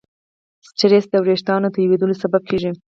سټرېس د وېښتیانو تویېدلو سبب کېږي.